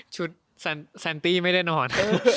แซนตี้ไม่ได้นอน